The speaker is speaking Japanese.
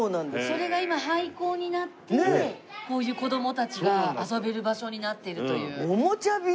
それが今廃校になってこういう子供たちが遊べる場所になっているという。